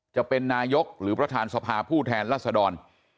จะเป็นนายกหรือประธานสภาผู้แทนรัศดร